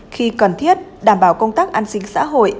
khi cần thiết đảm bảo công tác an sinh xã hội